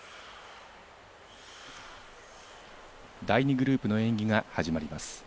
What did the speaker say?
第２グループの演技が始まります。